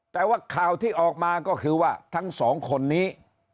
แต่ว่าข่าวที่ออกมาก็คือว่าทั้งสองคนนี้